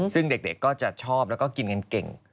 ซึ่งเด็กก็จะชอบแล้วก็กินกันเก่ง